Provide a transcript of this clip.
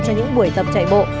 cho những buổi tập chạy bộ